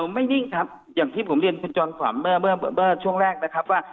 นิ่งครับอย่างที่ผมเรียนคุณจอมขวัญเมื่อช่วงแรกนะครับว่า